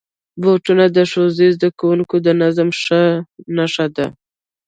بوټونه د ښوونځي زدهکوونکو د نظم نښه ده.